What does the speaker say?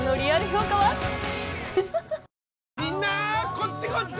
こっちこっち！